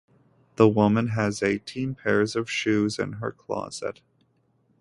The woman has eighteen pairs of shoes in her closet.